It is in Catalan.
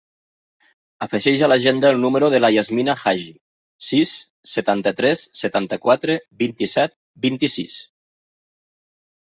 Afegeix a l'agenda el número de la Yasmina Hajji: sis, setanta-tres, setanta-quatre, vint-i-set, vint-i-sis.